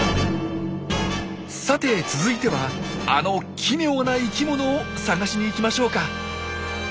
さて続いてはあの奇妙な生きものを探しに行きましょうか。